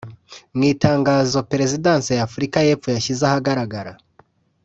Mu itangazo Perezidansi ya Afurika y’Epfo yashyize ahagaragara